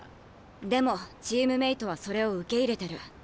でもチームメートはそれを受け入れてる。